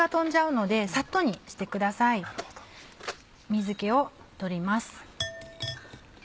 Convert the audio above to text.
水気を取ります。